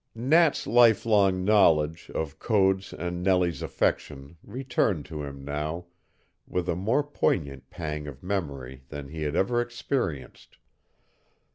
Nat's lifelong knowledge of Code's and Nellie's affection returned to him now with a more poignant pang of memory than he had ever experienced.